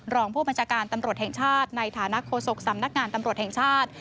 รองผู้บัญชาการตำรวจแห่งชาติในฐานะโฆษกสำนักงานตำรวจแห่งชาติ